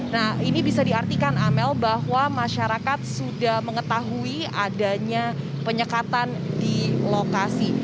nah ini bisa diartikan amel bahwa masyarakat sudah mengetahui adanya penyekatan di lokasi